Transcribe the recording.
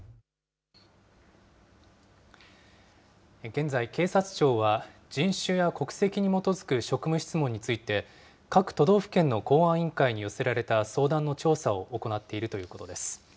現在、警察庁は、人種や国籍に基づく職務質問について、各都道府県の公安委員会に寄せられた相談の調査を行っているということです。